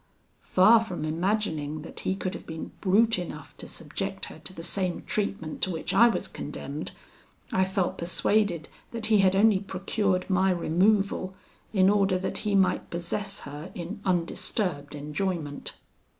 Far from imagining that he could have been brute enough to subject her to the same treatment to which I was condemned, I felt persuaded that he had only procured my removal, in order that he might possess her in undisturbed enjoyment.